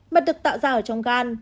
mật được tạo ra ở trong gan